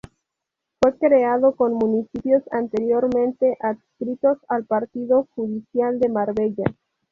Fue creado con municipios anteriormente adscritos al partido judicial de Marbella.